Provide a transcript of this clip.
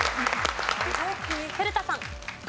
古田さん。